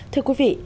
thưa quý vị